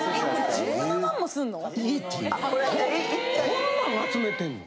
こんなん集めてるの？